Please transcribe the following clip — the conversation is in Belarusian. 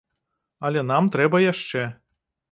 Але нам трэба яшчэ.